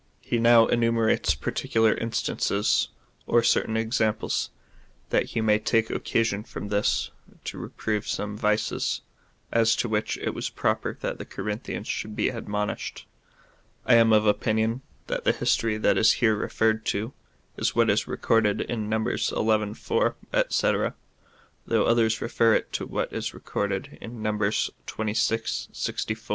He now enume rates particular instances, or certain examples, that he may take occasion from this to reprove some vices, as to which it was proper that the Corinthians should be admonished. I am of opinion, that the history that is here referred to is what is recorded in Numbers xi. 4, &c., though others refer it to what is recorded in Numbers xxvi. 64.